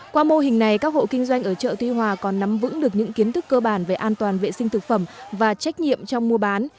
qua mô hình này các hộ kinh doanh ở chợ tuy hòa còn nắm vững được những kiến thức cơ bản về an toàn vệ sinh thực phẩm và trách nhiệm trong mua bán